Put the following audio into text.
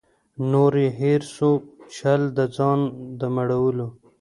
نور یې هېر سو چل د ځان د مړولو